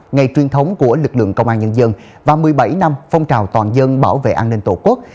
ngày truyền thống của lực lượng công an nhân dân và một mươi bảy năm phong trào toàn dân bảo vệ an ninh tổ quốc